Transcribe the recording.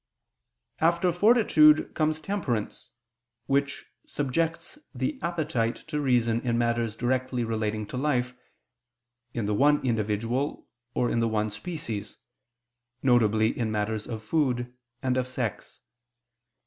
After fortitude comes temperance, which subjects the appetite to reason in matters directly relating to life, in the one individual, or in the one species, viz. in matters of food and of sex.